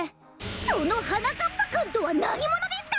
そのはなかっぱくんとはなにものですか！？